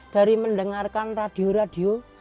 dari mendengarkan radio radio